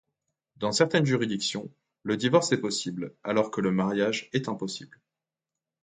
Dans certaines juridictions, le divorce est possible, alors que le mariage est impossible.